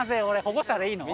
保護者でいいの？